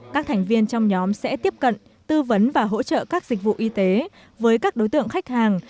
các thành viên trong nhóm sẽ tiếp cận tư vấn và hỗ trợ các dịch vụ y tế với các đối tượng khách hàng